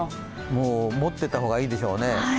もう持ってた方がいいでしょうね。